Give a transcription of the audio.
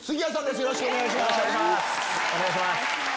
よろしくお願いします。